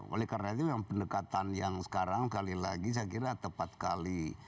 oleh karena itu yang pendekatan yang sekarang kali lagi saya kira tepat kali